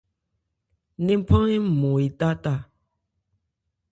Ńnephan hɛ́n nmɔn etá ta.